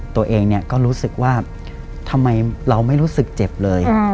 ตัวเองเนี่ยก็รู้สึกว่าทำไมเราไม่รู้สึกเจ็บเลย